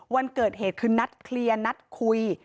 วันเกิดเหตุคือนัดเคลียร์นัดคุย